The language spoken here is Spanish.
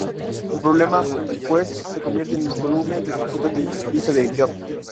El problema, pues, se convierte en insoluble desde el punto de vista de Job.